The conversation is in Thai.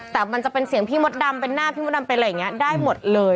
แต่มันจะเป็นเสียงพี่มดดำเป็นหน้าพี่มดดำเป็นอะไรอย่างนี้ได้หมดเลย